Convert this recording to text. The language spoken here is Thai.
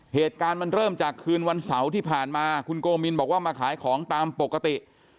เหตุการณ์มันเริ่มจากคืนวันเสาร์ที่ผ่านมาคุณโกมินบอกว่ามาขายของตามปกติ